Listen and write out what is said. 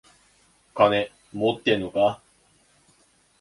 金持ってんのか？